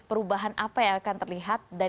perubahan apa yang akan terlihat dan